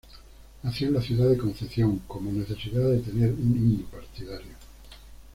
Nació en la ciudad de Concepción como necesidad de tener un himno partidario.